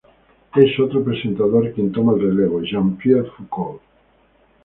Es otro presentador quien toma el relevo: Jean-Pierre Foucault.